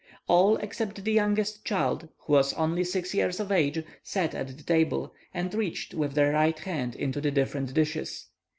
All except the youngest child, who was only six years of age, sat at the table, and reached with their right hands into the different dishes.